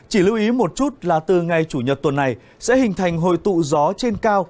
chỉ lưu ý một chút là từ ngày chủ nhật tuần này sẽ hình thành hội tụ gió trên cao